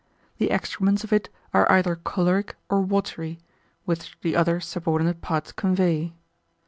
The excrements of it are either choleric or watery, which the other subordinate parts convey.